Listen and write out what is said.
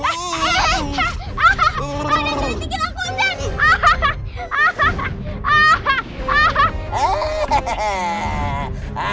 ada yang tinggin aku om jani